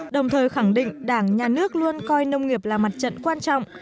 đồng thời khẳng định đảng nhà nước luôn coi nông nghiệp là mặt trận quan trọng